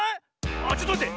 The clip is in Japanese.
あちょっとまって！